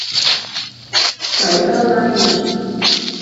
九州拉麵